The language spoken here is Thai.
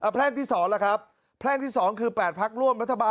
แพร่งที่๒คือ๘ภักดิ์ร่วม